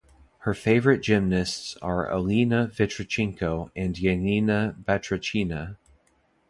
Her favourite gymnasts are Olena Vitrychenko and Yanina Batyrchina.